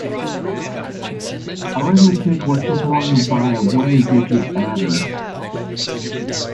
Arithmetic was performed by a one-digit adder.